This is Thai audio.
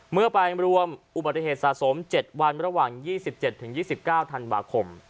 เมื่อไปรวมอุบัติเหตุสะสม๗วันระหว่าง๒๗๒๙ธันวาคม